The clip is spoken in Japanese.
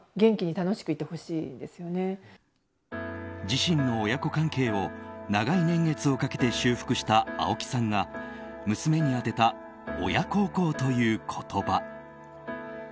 自身の親子関係を長い年月をかけて修復した青木さんが娘に宛てた、親孝行という言葉。